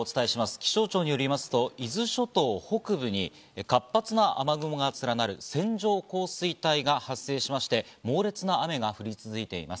気象庁によりますと、伊豆諸島北部に活発な雨雲が連なる線状降水帯が発生しまして、猛烈な雨が降り続いています。